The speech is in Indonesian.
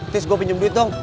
tis gue pinjem duit dong